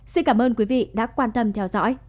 xin cảm ơn quý vị đã quan tâm theo dõi